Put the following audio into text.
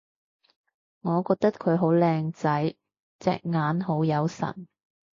我覺得佢好靚仔！隻眼好有神